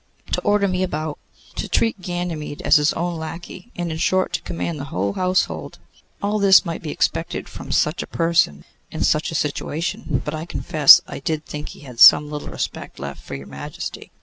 To order me about, to treat Ganymede as his own lacquey, and, in short, to command the whole household; all this might be expected from such a person in such a situation, but I confess I did think he had some little respect left for your Majesty.